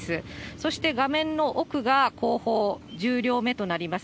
そして画面の奥が後方、１０両目となります。